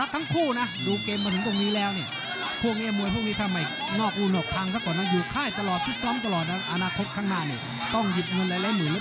โชคดีวะดิถือว่าโชคดี